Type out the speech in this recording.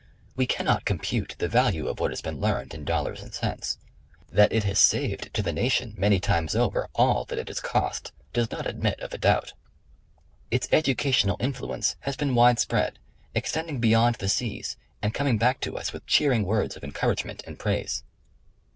We cannot compute the value of what has been learned in dollars and cents; that it has saved to the Nation many times over, all that it has cost, does not admit of a doubt. Its educational influence has been widespread, extending beyond* the seas, and coming back to us with cheering words of encour agement and praise.